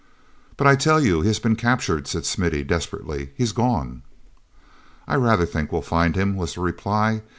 "But I tell you he has been captured," said Smithy desperately. "He's gone." "I rather think we will find him," was the reply.